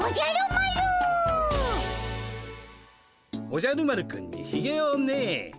おじゃる丸くんにひげをね。